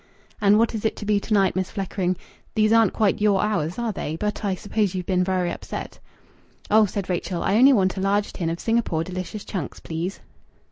"And what is it to be to night, Miss Fleckring? These aren't quite your hours, are they? But I suppose you've been very upset." "Oh," said Rachel, "I only want a large tin of Singapore Delicious Chunks, please."